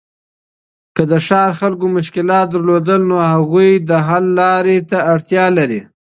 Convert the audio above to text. که د ښار خلګو مشکلات درلودل، نو هغوی د حل لاري ته اړتیا لري.